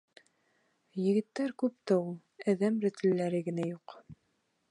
— Егеттәр күп тә ул, әҙәм рәтлеләре генә юҡ.